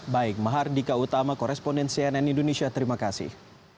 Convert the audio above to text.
baik mahardika utama koresponden cnn indonesia terima kasih